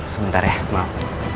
sebentar ya maaf